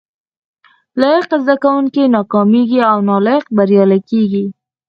لایق زده کوونکي ناکامیږي او نالایق بریالي کیږي